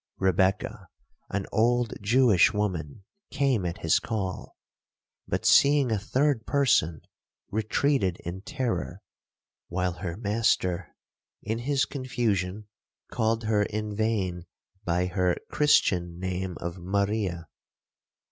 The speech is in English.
Rebekah, an old Jewish woman, came at his call; but, seeing a third person, retreated in terror, while her master, in his confusion, called her in vain by her Christian name of Maria.